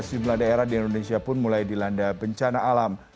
sejumlah daerah di indonesia pun mulai dilanda bencana alam